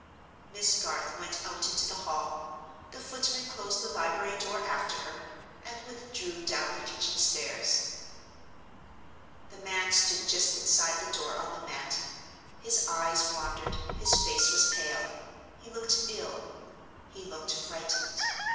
Miss Garth went out into the hall. The footman closed the library door after her, and withdrew down the kitchen stairs. The man stood just inside the door, on the mat. His eyes wandered, his face was pale—he looked ill; he looked frightened.